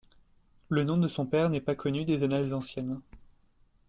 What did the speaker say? Le nom de son père n'est pas connu des annales anciennes.